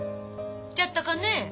じゃったかね？